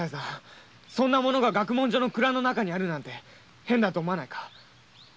学問所の蔵の中にあるなんて変だと思わないか。